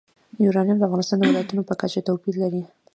یورانیم د افغانستان د ولایاتو په کچه توپیر لري.